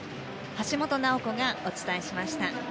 橋本奈穂子がお伝えしました。